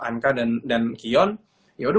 anka dan kion ya udah